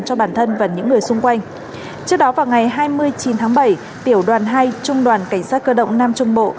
cho bản thân và những người xung quanh trước đó vào ngày hai mươi chín tháng bảy tiểu đoàn hai trung đoàn cảnh sát cơ động nam trung bộ